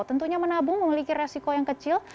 tentunya menabung memiliki resiko yang kecil